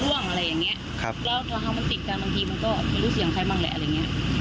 แล้วเวลามันติดกันบางทีมันก็ไม่รู้เสียงของใครบ้างแหละอะไรอย่างเนี่ย